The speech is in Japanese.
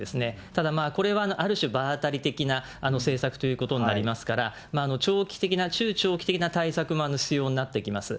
ただまあこれはある種、場当たり的な政策ということになりますから、長期的な、中長期的な対策も必要になってきます。